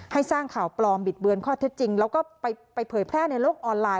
ให้สร้างข่าวปลอมบิดเบือนข้อเท็จจริงแล้วก็ไปเผยแพร่ในโลกออนไลน